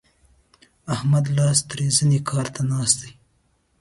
احمد لاس تر زنې کار ته ناست دی.